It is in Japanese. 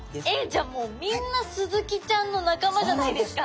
じゃあもうみんなスズキちゃんの仲間じゃないですか。